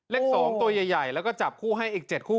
เลข๒ตัวใหญ่แล้วก็จับคู่ให้อีก๗คู่